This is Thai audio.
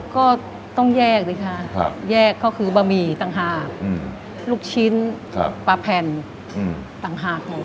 ก็ต้องแยกสิคะแยกก็คือบะหมี่ต่างหากลูกชิ้นปลาแผ่นต่างหากหมด